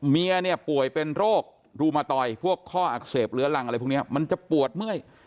เมียเนี่ยป่วยเป็นโรครูมตอยพวกข้ออักเสบเหลือรังอะไรพวกนี้มันจะปวดเมื่อย